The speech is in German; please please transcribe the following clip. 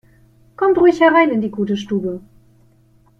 Kommt ruhig herein in die gute Stube!